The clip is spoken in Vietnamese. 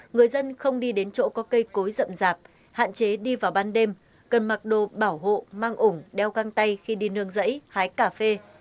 người dân không đi đến chỗ có cây cối rậm rạp hạn chế đi vào ban đêm cần mặc đồ bảo hộ mang ủng đeo căng tay khi đi nương rẫy hái cà phê